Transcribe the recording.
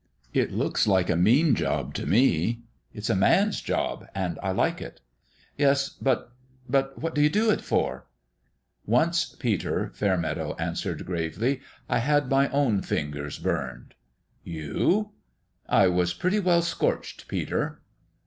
" It looks like a mean job to me." " It's a man's job ! And I like it." " Yes ; but but what do you do it for ?" "Once, Peter," Fairmeadow answered, gravely, " I had my own fingers burned." " You !"" I was pretty well scorched, Peter."